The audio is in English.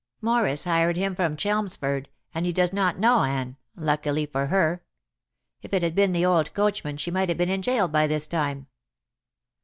Morris hired him from Chelmsford, and he does not know Anne, luckily for her. If it had been the old coachman she might have been in jail by this time.